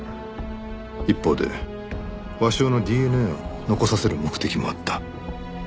一方で鷲尾のＤＮＡを残させる目的もあった。